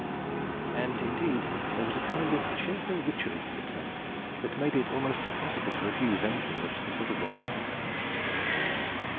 And, indeed, there was a kind of cheerful witchery in the tone, that made it almost impossible to refuse anything which this little voice asked.